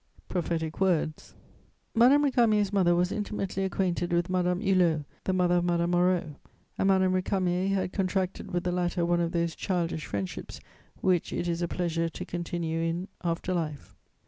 Prophetic words! Madame Récamier's mother was intimately acquainted with Madame Hulot, the mother of Madame Moreau, and Madame Récamier had contracted with the latter one of those childish friendships which it is a pleasure to continue in after life.